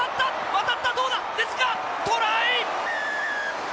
渡ったどうだ根塚トライ！